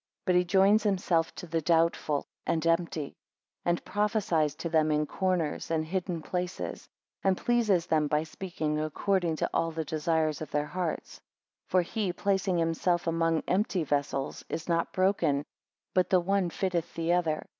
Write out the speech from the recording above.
But he joins himself to the doubtful and empty; and prophesies to them in corners and hidden places; and pleases them by speaking according to all the desires of their hearts. 3 For he placing himself among empty vessels, is not broken, but the one fitteth the other.